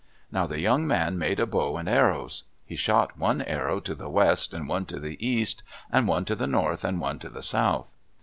Now the young man made a bow and arrows. He shot one arrow to the west, and one to the east, and one to the north, and one to the south.